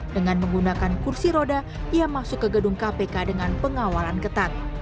dengan menggunakan kursi roda ia masuk ke gedung kpk dengan pengawalan ketat